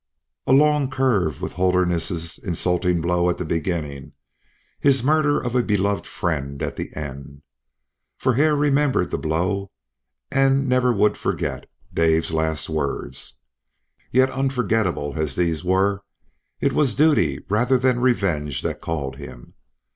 A long curve with Holderness's insulting blow at the beginning, his murder of a beloved friend at the end! For Hare remembered the blow, and never would he forget Dave's last words. Yet unforgetable as these were, it was duty rather than revenge that called him.